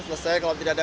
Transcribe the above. selesai kalau tidak ada